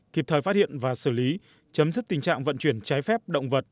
kịp thời phát hiện và xử lý chấm dứt tình trạng vận chuyển trái phép động vật